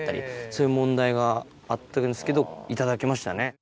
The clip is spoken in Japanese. そういう問題があったんですけど頂けましたね。